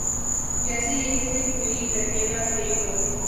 جیسے یہ کوئی گلی ڈنڈے کا کھیل ہو۔